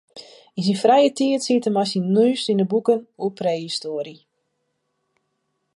Yn syn frije tiid siet er mei syn noas yn de boeken oer prehistoarje.